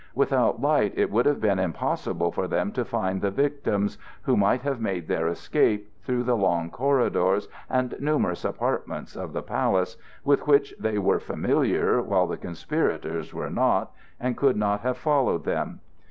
Without light it would have been impossible for them to find the victims, who might have made their escape through the long corridors and numerous apartments of the palace, with which they were familiar while the conspirators were not, and could not have followed them.